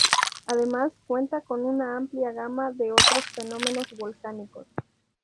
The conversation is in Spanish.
Además cuenta con una amplia gama de otros fenómenos volcánicos.